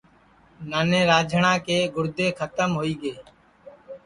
نانے راجیئے کے گُردے کھتم ہوئی گے